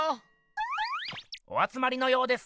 おあつまりのようです。